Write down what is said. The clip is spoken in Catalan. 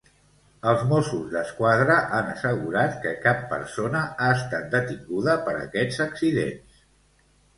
Els Mossos d'Esquadra han assegurat que cap persona ha estat detinguda per aquests accidents.